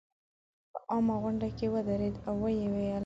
په عامه غونډه کې ودرېد او ویې ویل.